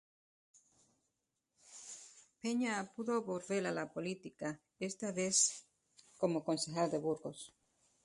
Peña pudo volver a la política, esta vez como concejal de Burgos.